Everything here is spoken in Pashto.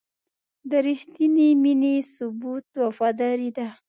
د رښتینې مینې ثبوت وفاداري ده.